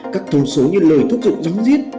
các thống số như lời thúc dụng gió giết